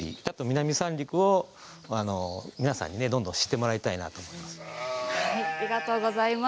南三陸を皆さんにどんどん知ってもらいたいなと思います。